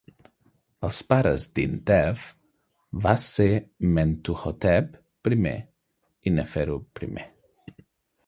Els pares d'Intef vas ser Mentuhotep I i Neferu I.